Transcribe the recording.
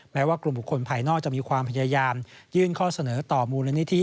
แม้ว่ากลุ่มบุคคลภายนอกจะมีความพยายามยื่นข้อเสนอต่อมูลนิธิ